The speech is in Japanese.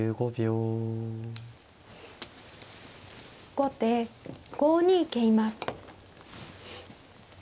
後手５二桂馬。